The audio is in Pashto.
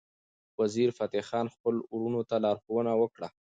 وزیرفتح خان خپل ورورانو ته لارښوونه وکړه.